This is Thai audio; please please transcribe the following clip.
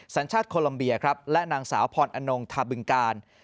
สัญชาติโคลัมเบียครับและนางสาวพรอนงทาบึงการ